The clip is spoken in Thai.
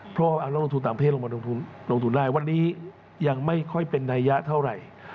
เพราะแล้วลงทูลต่างประเภทลงทูลได้วันนี้ยังไม่ค่อยเป็นนัยยะเท่าไหร่